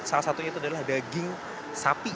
salah satunya itu adalah daging sapi